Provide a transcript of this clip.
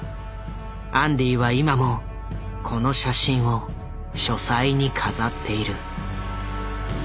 アンディは今もこの写真を書斎に飾っている。